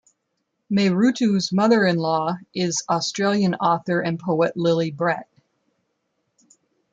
Mehretu's mother-in-law is Australian author and poet Lily Brett.